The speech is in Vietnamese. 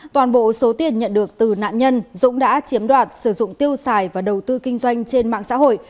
toàn bộ số tiền nhận được từ nạn nhân dũng đã chiếm đoạt sử dụng tiêu xài và đầu tư kinh doanh trên mạng xã hội